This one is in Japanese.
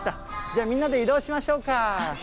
じゃあみんなで移動しましょうか。